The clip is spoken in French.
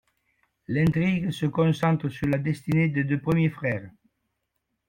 L'intrigue se concentre sur la destinée des deux premiers frères.